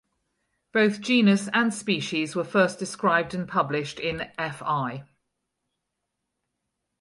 Both genus and species were first described and published in Fl.